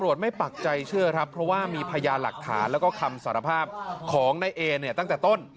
ไม่ปักใจเชื่อครับเพราะว่ามีพยานหลักฐานแล้วก็คำสารภาพของนายเอเนี่ยตั้งแต่ต้น